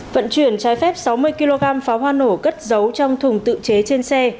vận chuyển trái phép sáu mươi kg pháo hoa nổ cất giấu trong thùng tự chế trên xe